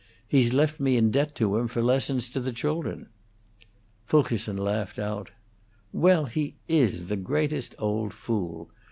"He's left me in debt to him for lessons to the children." Fulkerson laughed out. "Well, he is the greatest old fool!